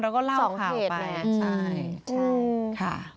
แล้วก็เล่าข่าวไปใช่